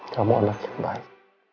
kamu anak yang baik